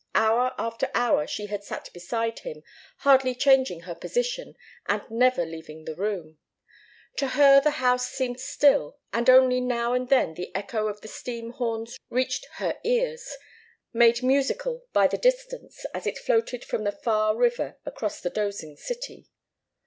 Hour after hour she had sat beside him, hardly changing her position, and never leaving the room. To her the house seemed still, and only now and then the echo of the steam horns reached her ears, made musical by the distance, as it floated from the far river across the dozing city.